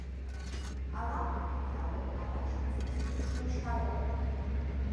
Алакә хаҭа иалоу арашь мцабз еиԥшнушьаларын.